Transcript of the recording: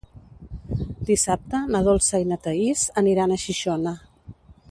Dissabte na Dolça i na Thaís aniran a Xixona.